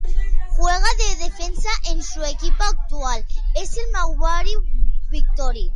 Juega de defensa y su equipo actual es el Melbourne Victory.